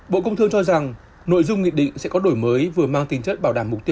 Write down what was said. bộ công thương cho rằng nội dung nghị định sẽ có đổi mới vừa mang tính chất